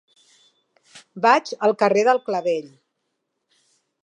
Vaig al carrer del Clavell.